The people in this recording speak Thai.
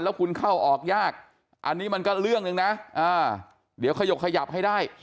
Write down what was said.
แล้วคุณเข้าออกยากอันนี้มันก็เรื่องหนึ่งนะเดี๋ยวขยกขยับให้ได้